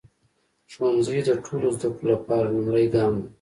ښوونځی د ټولو زده کړو لپاره لومړی ګام دی.